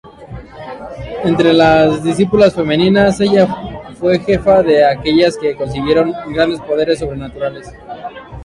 Entre las discípulas femeninas ella fue jefa de aquellas que consiguieron grandes poderes sobrenaturales.